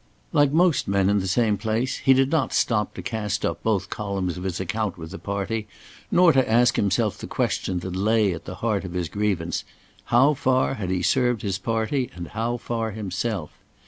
Like most men in the same place, he did not stop to cast up both columns of his account with the party, nor to ask himself the question that lay at the heart of his grievance: How far had he served his party and how far himself?